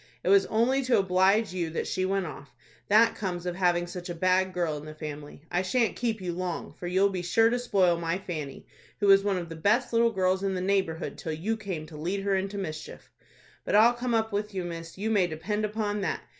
It was only to oblige you that she went off. That comes of having such a bad girl in the family. I shan't keep you long, for you'll be sure to spoil my Fanny, who was one of the best little girls in the neighborhood till you came to lead her into mischief. But I'll come up with you, miss, you may depend upon that.